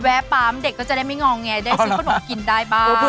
ปั๊มเด็กก็จะได้ไม่งองแงได้ซื้อขนมกินได้บ้าง